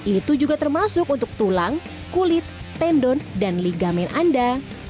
itu juga termasuk untuk tulang kulit tendon dan ligamen anda